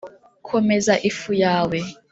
komeza ifu yawe